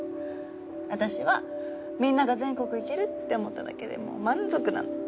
私はみんなが全国行けるって思っただけでもう満足なの。